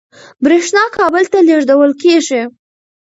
برېښنا کابل ته لېږدول کېږي.